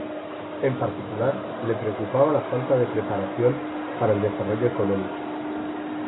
En particular, le preocupaba la falta de preparación para el desarrollo económico.